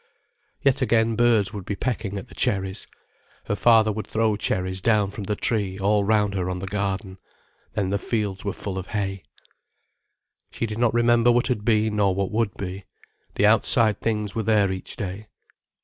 Yet again birds would be pecking at the cherries, her father would throw cherries down from the tree all round her on the garden. Then the fields were full of hay. She did not remember what had been nor what would be, the outside things were there each day.